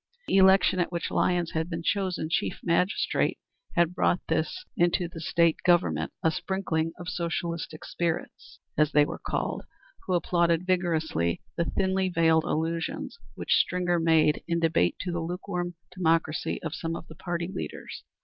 The election at which Lyons had been chosen chief magistrate had brought into this State government a sprinkling of socialistic spirits, as they were called, who applauded vigorously the thinly veiled allusions which Stringer made in debate to the lukewarm democracy of some of the party leaders.